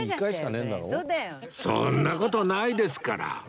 そんな事ないですから